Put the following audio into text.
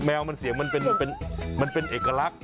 แมวมันเสียงมันเป็นเอกลักษณ